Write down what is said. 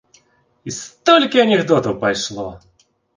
І столькі анекдотаў пайшло!